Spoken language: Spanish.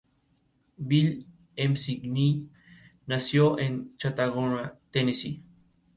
Bill McKinney nació en Chattanooga, Tennessee.